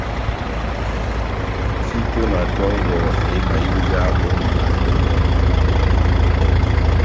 Tito na tongɔ éhimahínja ó mʼbana